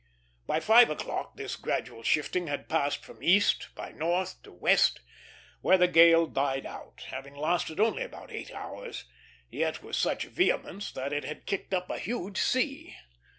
By five o'clock this gradual shifting had passed from east, by north, to west, where the gale died out; having lasted only about eight hours, yet with such vehemence that it had kicked up a huge sea.